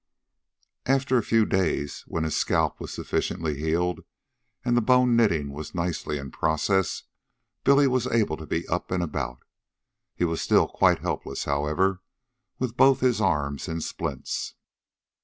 After a few days, when his scalp was sufficiently healed and the bone knitting was nicely in process, Billy was able to be up and about. He was still quite helpless, however, with both his arms in splints.